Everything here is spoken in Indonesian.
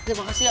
terima kasih ya